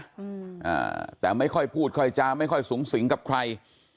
อืมอ่าแต่ไม่ค่อยพูดค่อยจาไม่ค่อยสูงสิงกับใคร